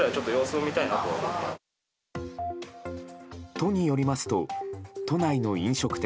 都によりますと都内の飲食店